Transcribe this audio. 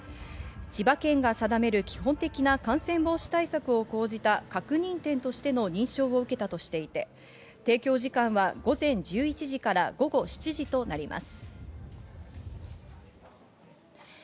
千葉県が定める基本的な感染防止対策を講じた確認店としての認証を受けたとしていて提供時間は午前１１時から午後７時となります。